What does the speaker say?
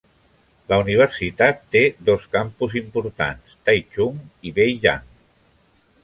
La universitat té dos campus importants, Taichung i Beigang.